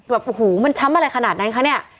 แบบโอ้โหมันช้ำอะไรขนาดนั้นคะเนี่ย